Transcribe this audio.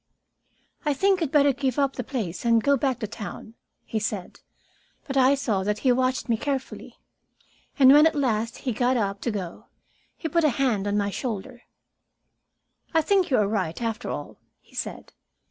"I think you'd better give up the place and go back to town," he said. But I saw that he watched me carefully, and when, at last he got up to go, he put a hand on my shoulder. "I think you are right, after all," he said.